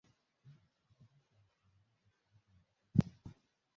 Operesheni inaweza kuleta matatizo mengi